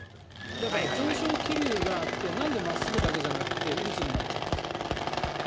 だから上昇気流があってなんで真っすぐだけじゃなくて渦になっちゃうんですか。